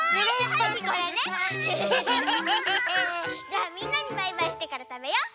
じゃあみんなにバイバイしてからたべよう。